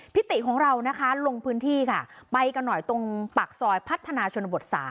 ติของเรานะคะลงพื้นที่ค่ะไปกันหน่อยตรงปากซอยพัฒนาชนบท๓